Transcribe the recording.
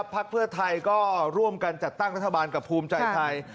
พักเพื่อไทยก็ร่วมกันจัดตั้งรัฐบาลกับภูมิใจไทย